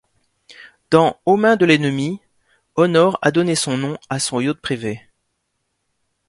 Dans Aux mains de l’ennemi, Honor a donné son nom à son yacht privé.